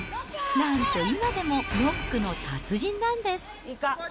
なんと今でもノックの達人なんです。